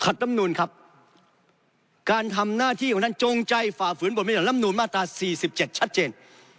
ขาดลำนุนครับการทำหน้าที่ของท่านจงใจฝ่าเฟืนบรรเมริกาลำนุนมาตราสี่สิบเจ็ดชัดเจน